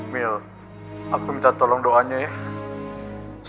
mil aku minta tolong doanya ya